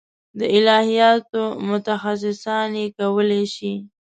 د الهیاتو متخصصان یې کولای شي.